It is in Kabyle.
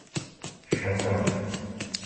Tcemtemt.